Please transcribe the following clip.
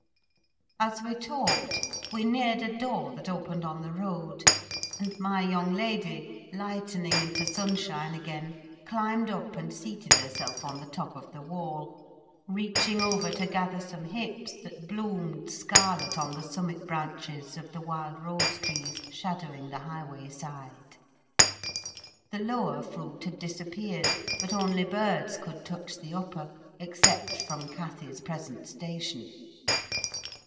As we talked, we neared a door that opened on the road; and my young lady, lightening into sunshine again, climbed up and seated herself on the top of the wall, reaching over to gather some hips that bloomed scarlet on the summit branches of the wild rose trees shadowing the highway side: the lower fruit had disappeared, but only birds could touch the upper, except from Cathy's present station.